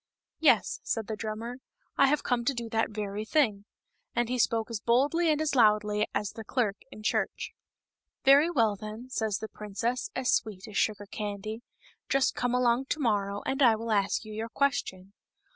" Yes," said the drummer, " I have come to do that very thing." And he spoke as boldly and as loudly as the clerk in church. "Very well, then," says the princess, as sweet as sugar candy, "just come along to morrow, and I will ask you your question."